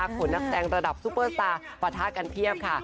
หัวหนักแสงระดับซุปเปอร์แสตราประทาดกันเทียบค่ะ